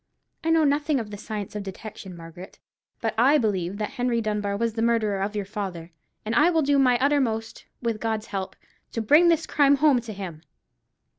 I know nothing of the science of detection, Margaret; but I believe that Henry Dunbar was the murderer of your father; and I will do my uttermost, with God's help, to bring this crime home to him."